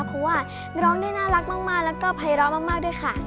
เพราะว่าร้องได้น่ารักมากแล้วก็ภัยร้อมากด้วยค่ะ